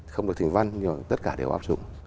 không được thành văn nhưng mà tất cả đều áp dụng